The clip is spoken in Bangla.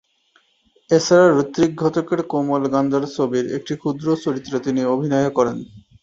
এছাড়া ঋত্বিক ঘটকের কোমল গান্ধার ছবির একটি ক্ষুদ্র চরিত্রে তিনি অভিনয়ও করেন।